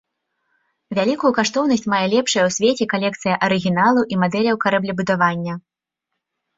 Вялікую каштоўнасць мае лепшая ў свеце калекцыя арыгіналаў і мадэляў караблебудавання.